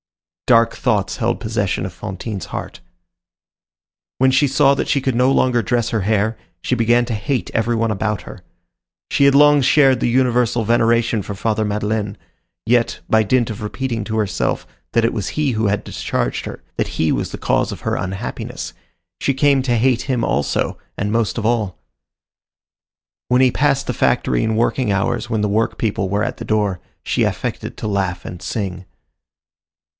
Dark thoughts held possession of Fantine's heart. When she saw that she could no longer dress her hair, she began to hate every one about her. She had long shared the universal veneration for Father Madeleine; yet, by dint of repeating to herself that it was he who had discharged her, that he was the cause of her unhappiness, she came to hate him also, and most of all. When she passed the factory in working hours, when the workpeople were at the door, she affected to laugh and sing.